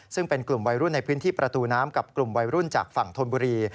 ซึ่งเป็นกลุ่มวัยรุ่นในพื้นที่ประตูน้ำกับกลุ่มวัยรุ่นจากฝั่งธนบุรี